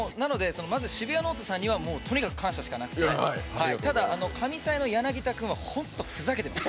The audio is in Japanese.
「シブヤノオト」さんにはとにかく感謝しかなくてただ、神サイの柳田君は本当、ふざけてます。